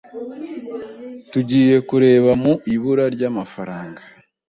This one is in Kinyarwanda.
Tugiye kureba mu ibura ry'amafaranga.